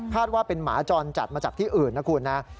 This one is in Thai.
พลาดว่าเป็นหมาจรจัดมาจับที่อื่นนะครับ